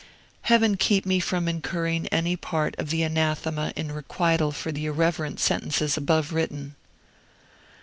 Heaven keep me from incurring any part of the anathema in requital for the irreverent sentences above written!